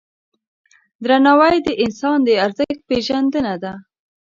درناوی د انسان د ارزښت پیژندنه ده.